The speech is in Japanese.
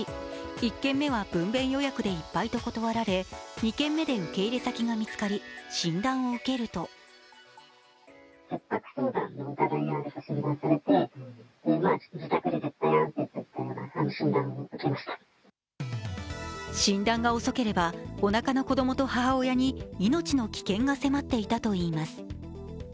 １軒目は分べん予約でいっぱいと断られ、２軒目で受け入れ先が見つかり診断を受けると診断が遅ければ、おなかの子供と母親に命の危険が迫っていたといいます。